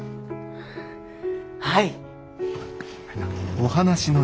はい！